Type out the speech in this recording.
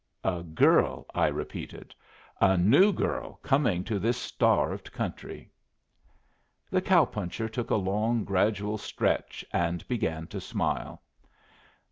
"A girl," I repeated. "A new girl coming to this starved country." The cow puncher took a long, gradual stretch and began to smile.